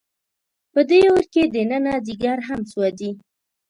په دې اور کې دننه ځیګر هم سوځي.